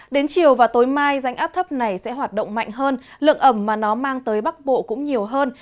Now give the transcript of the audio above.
đến chiều và tối mai rãnh áp thấp này sẽ hoạt động mạnh hơn lượng ẩm mà nó mang tới bắc bộ cũng nhiều hơn